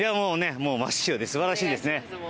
真っ白で素晴らしいですね。